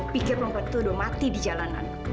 pikir lompat itu udah mati di jalanan